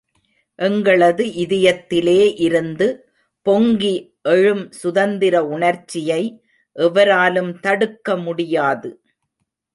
எங்களது இதயத்திலே இருந்து பொங்கி எழும் சுதந்திர உணர்ச்சியை எவராலும் தடுக்க முடியாது.